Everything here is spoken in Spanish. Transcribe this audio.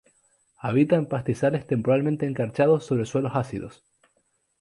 Habita en pastizales temporalmente encharcados sobre suelos ácidos.